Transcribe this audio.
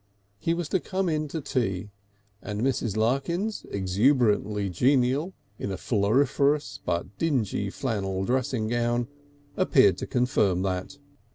He was to come in to tea, and Mrs. Larkins, exuberantly genial in a floriferous but dingy flannel dressing gown, appeared to confirm that.